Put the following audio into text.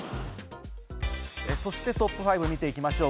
そしてトップ５を見ていきましょう。